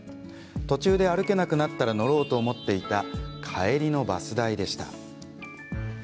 途中で歩けなくなったら乗ろうと思っていた帰りのバス代でした。